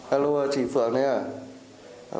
alo chị phượng đây à